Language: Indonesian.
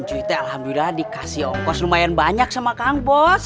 delapan cuitnya alhamdulillah dikasih ongkos lumayan banyak sama kang bos